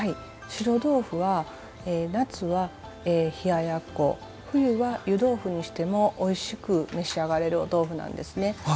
白とうふは夏は冷ややっこ冬は湯豆腐にしてもおいしく召し上がれるお豆腐なんですね。